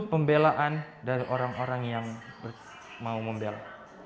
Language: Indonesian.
pembelaan dari orang orang yang mau membela